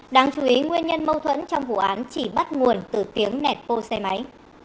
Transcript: đáng chú ý nguyên nhân mâu thuẫn trong vụ án chỉ bắt nguồn từ tiếng nẹt bô xe máy